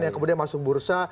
yang kemudian masuk bursa